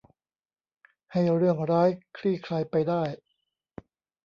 ให้เรื่องร้ายคลี่คลายไปได้